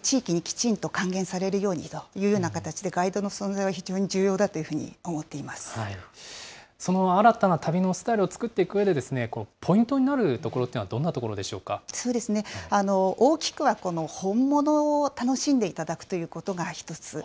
地域にきちんと還元されるようにという形でガイドの存在は非常にその新たな旅のスタイルを作っていくうえで、ポイントになるところっていうのはどんなところ大きくはこの本物を楽しんでいただくということが１つ。